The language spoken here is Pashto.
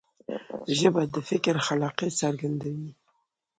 ژبه د فکر خلاقیت څرګندوي.